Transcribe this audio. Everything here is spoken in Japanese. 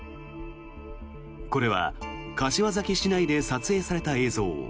これは柏崎市内で撮影された映像。